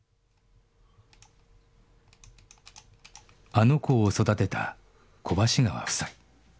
「あの子」を育てた小橋川夫妻